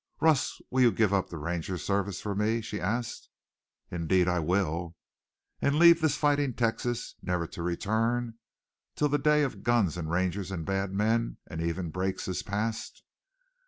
"Russ, will you give up the Ranger Service for me?" she asked. "Indeed I will." "And leave this fighting Texas, never to return till the day of guns and Rangers and bad men and even breaks is past?"